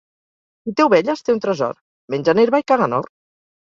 Qui té ovelles té un tresor: mengen herba i caguen or.